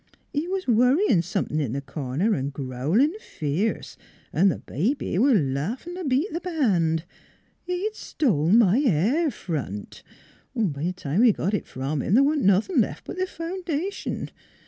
He was worryin* somethin' in th' corner an' growlin' fierce, an' th' baby was laughin' t' beat th' band. ... He'd stole my hair front! 'N' time we got it away from him th' wa'n't nothin' left but the founda tion.